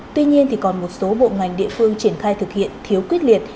tuy nhiên còn một số bộ ngành địa phương triển khai thực hiện thiếu quyết liệt